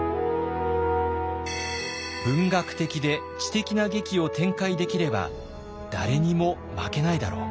文学的で知的な劇を展開できれば誰にも負けないだろう。